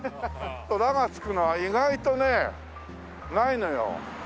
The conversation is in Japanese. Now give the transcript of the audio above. ラが付くのは意外とねないのよ。